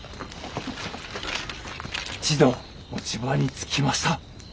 一同持ち場につきました。